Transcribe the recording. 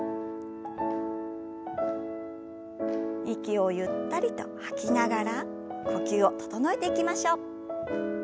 息をゆったりと吐きながら呼吸を整えていきましょう。